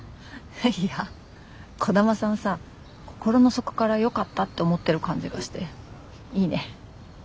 いや兒玉さんさ心の底からよかったって思ってる感じがしていいね。